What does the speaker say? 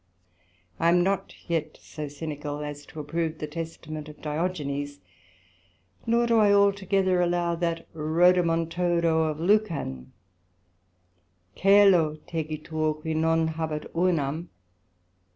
I am not yet so Cynical, as to approve the Testament of Diogenes, nor do I altogether allow that Rodomontodo of Lucan; ——Cœlo tegitur, qui non habet urnam.